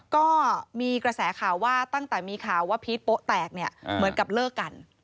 ก็มีกระแสข่าวว่าตั้งแต่มีข่าวว่าพีชโป๊ะแตกเนี่ยเหมือนกับเลิกกัน